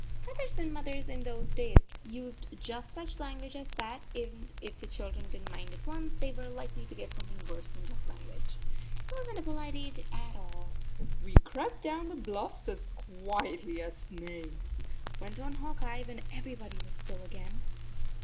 Fathers and mothers in those days used just such language as that, and 37 if the children did n t mind at once, they were likely to get something worse than just language. It wasn t a polite age at all. " We crept down the bluffs as quietly as snakes," went on Hawk Eye, when every body was still again.